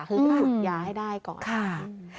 คือถูกยาให้ได้ก่อนค่ะค่ะ